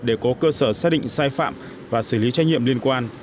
để có cơ sở xác định sai phạm và xử lý trách nhiệm liên quan